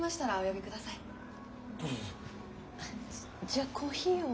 じゃあコーヒーを。